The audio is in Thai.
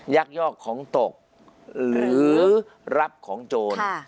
ยักยอกของตกหรือรับของโจร